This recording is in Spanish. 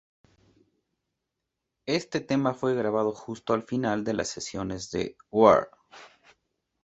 Este tema fue grabado justo al final de las sesiones de "War".